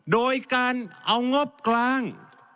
โดยการเอางบกลาง